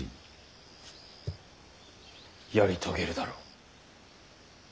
やり遂げるだろう。